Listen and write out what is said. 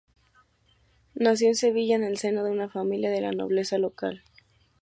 Nació en Sevilla en el seno de una familia de la nobleza local.